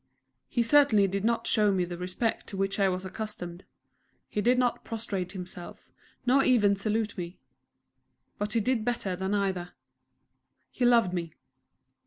He certainly did not show me the respect to which I was accustomed; he did not prostrate himself, nor even salute me; but he did better than either he loved me.